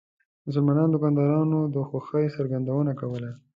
مسلمانو دکاندارانو د خوښۍ څرګندونه کوله.